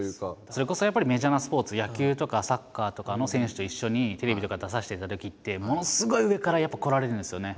それこそメジャーなスポーツ野球とかサッカーとかの選手と一緒にテレビとか出させていただいたときってものすごい上からやっぱこられるんですよね。